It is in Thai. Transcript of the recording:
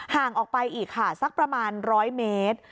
ห่างออกไปอีกค่ะสักประมาณ๑๐๐เมตร